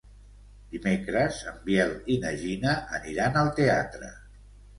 Dimecres en Biel i na Gina aniran al teatre.